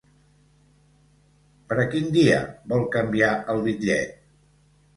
Per a quin dia vol canviar el bitllet?